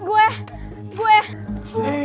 tidak ada pertanyaan